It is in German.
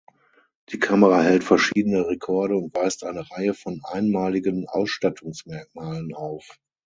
Die Kamera hält verschiedene Rekorde und weist eine Reihe von einmaligen Ausstattungsmerkmalen auf.